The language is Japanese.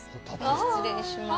失礼します。